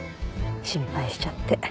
心配しちゃって。